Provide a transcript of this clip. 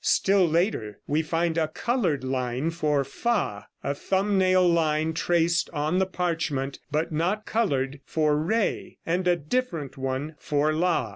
Still later we find a colored line for fa, a thumb nail line traced on the parchment, but not colored, for re, and a different one for la.